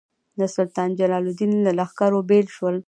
د سلطان جلال الدین له لښکرو بېل شول.